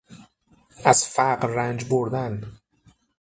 از فقر رنج بردن